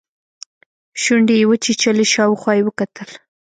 شونډې يې وچيچلې شاوخوا يې وکتل.